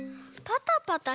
パタパタ？